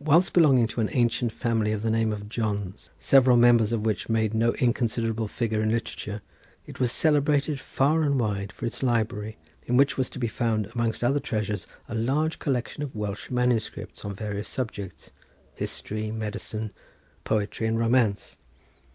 Whilst belonging to an ancient family of the name of Johnes, several members of which made no inconsiderable figure in literature, it was celebrated, far and wide, for its library, in which was to be found, amongst other treasures, a large collection of Welsh manuscripts on various subjects—history, medicine, poetry and romance.